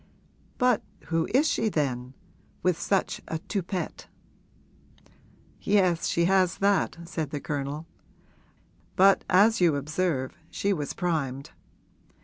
'But who is she then with such a toupet?' 'Yes, she has that,' said the Colonel; 'but as you observe she was primed.